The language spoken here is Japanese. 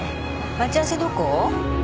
待ち合わせどこ？